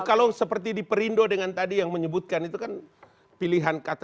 kalau seperti di perindo dengan tadi yang menyebutkan itu kan pilihan kata